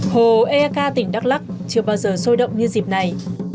hồ ek tỉnh đắk lắc chưa bao giờ sôi động như dịp này